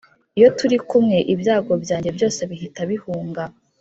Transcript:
iyo turi kumwe ibyago byanjye byose bihita bihunga